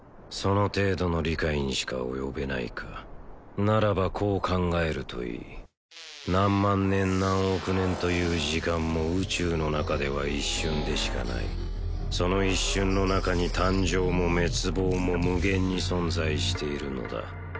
その程度の理解にしか及べないかならばこう考えるといい何万年何億年という時間も宇宙の中では一瞬でしかないその一瞬の中に誕生も滅亡も無限に存在しているのだ